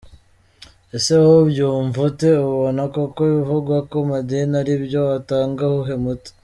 Ese wowe ubyumva ute ? Ubona koko ibivugwa ku madini ari byo ? Watanga uwuhe muti ?.